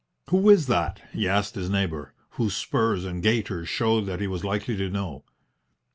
"Who is that?" he asked his neighbour, whose spurs and gaiters showed that he was likely to know.